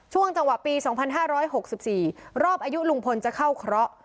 ช่วงจังหวะปี๒๕๖๔รอบอายุลุงพลจะเข้าเคราะห์